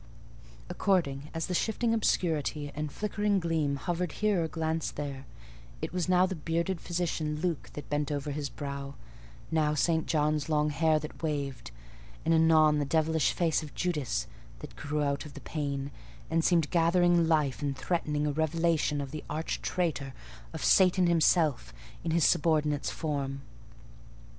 According as the shifting obscurity and flickering gleam hovered here or glanced there, it was now the bearded physician, Luke, that bent his brow; now St. John's long hair that waved; and anon the devilish face of Judas, that grew out of the panel, and seemed gathering life and threatening a revelation of the arch traitor—of Satan himself—in his subordinate's form.